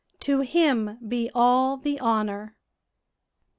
"To Him be all the honor."